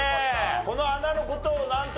この穴の事をなんという？